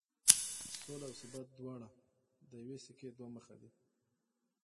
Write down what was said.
سوله او ثبات دواړه د یوې سکې دوه مخ دي.